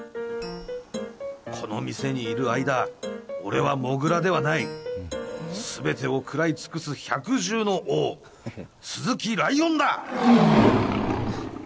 この店にいる間俺はもぐらではない全てを食らい尽くす百獣の王鈴木ライオンだ！